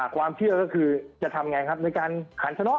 ความเชื่อก็คือจะทำไงครับในการขันชะนก